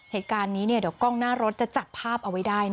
เหตุการณ์นี้เดี๋ยวกล้องหน้ารถจะจับภาพเอาไว้ได้